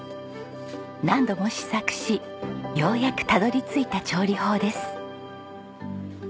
何度も試作しようやくたどり着いた調理法です。